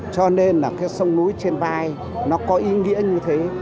cho nên là cái sông núi trên vai nó có ý nghĩa như thế